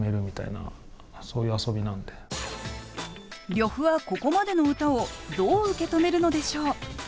呂布はここまでの歌をどう受け止めるのでしょう。